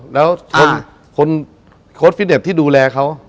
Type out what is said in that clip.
แล้วคนโค้ดฟิตเน็ตที่ดูแลเขา